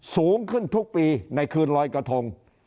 สูงขึ้นทุกปีในคืนลอยกระทง